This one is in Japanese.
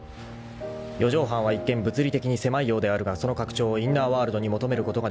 ［四畳半は一見物理的に狭いようであるがその拡張をインナーワールドに求めることができる］